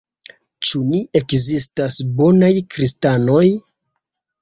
Ĉu ne ekzistas bonaj kristanoj?